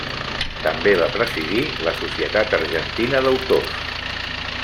També va presidir la Societat Argentina d'Autors.